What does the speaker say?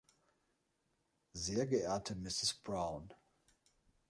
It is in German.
Sehr geehrte Mrs. Brown.